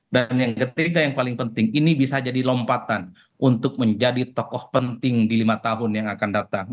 dan yang ketiga yang paling penting ini bisa jadi lompatan untuk menjadi tokoh penting di lima tahun yang akan datang